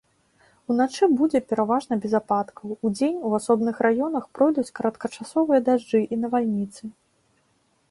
Уначы будзе пераважна без ападкаў, удзень у асобных раёнах пройдуць кароткачасовыя дажджы і навальніцы.